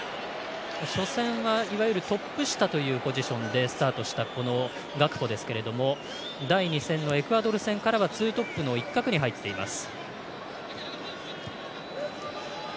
初戦は、いわゆるトップ下というポジションでスタートした、ガクポですけども第２戦のエクアドル戦からはツートップの一角に入っています。